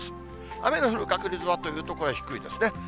雨の降る確率はというと、これは低いですね。